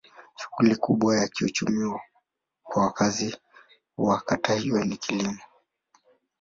Shughuli kubwa ya kiuchumi kwa wakazi wa kata hiyo ni kilimo.